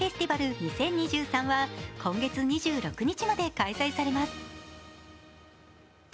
２０２３は今月２６日まで開催されます。